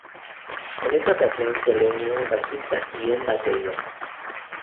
En esta ocasión se le unió un bajista y un batería.